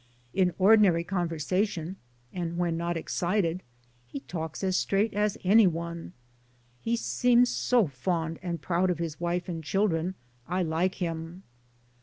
In ordinary conversa tion and when not excited, he talks as straight as any one. He seems so fond and proud of his wife and children I like him.